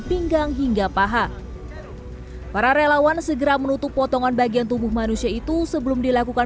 pinggang hingga paha para relawan segera menutup potongan bagian tubuh manusia itu sebelum dilakukan